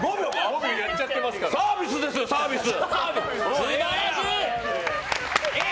サービスですよ、サービス！